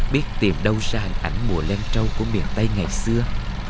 biết tìm đâu ra hình ảnh mùa len trâu của miền tây ngày xưa